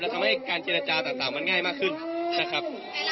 ทำให้การเจรจาต่างมันง่ายมากขึ้นนะครับ